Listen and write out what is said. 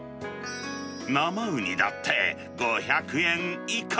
生ウニだって５００円以下。